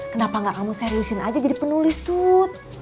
kenapa gak kamu seriusin aja jadi penulis tuh